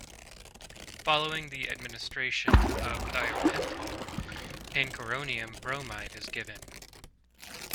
Following the administration of thiopental, pancuronium bromide is given.